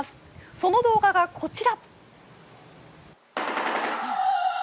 その動画がこちら。